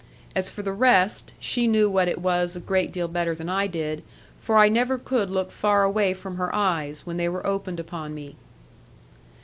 As for the rest, she knew what it was a great deal better than I did, for I never could look far away from her eyes when they were opened upon me.